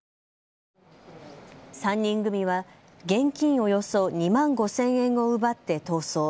３人組は現金およそ２万５０００円を奪って逃走。